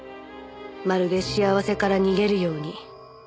「まるで幸せから逃げるように」